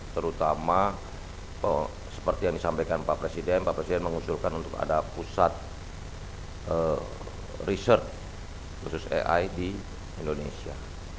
terutama seperti yang disampaikan pak presiden pak presiden mengusulkan untuk ada pusat riset khusus ai di indonesia